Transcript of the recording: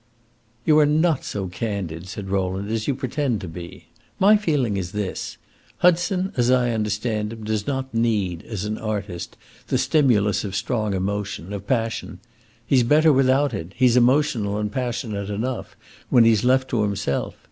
"You are not so candid," said Rowland, "as you pretend to be. My feeling is this. Hudson, as I understand him, does not need, as an artist, the stimulus of strong emotion, of passion. He's better without it; he's emotional and passionate enough when he 's left to himself.